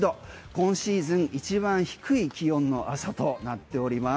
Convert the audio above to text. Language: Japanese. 今シーズン一番低い気温の朝となっております。